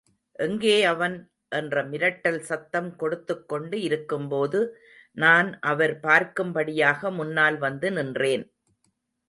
எங்கே அவன்? என்ற மிரட்டல் சத்தம் கொடுத்துகொண்டு இருக்கும்போது நான் அவர் பார்க்கும்படியாக முன்னால் வந்து நின்றேன்.